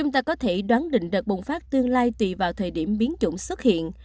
ta có thể đoán định đợt bùng phát tương lai tùy vào thời điểm biến chủng xuất hiện